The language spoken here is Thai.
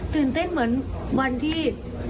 ตื่นเต้นเหมือนวันที่